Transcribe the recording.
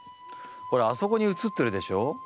ほらあそこにうつってるでしょう？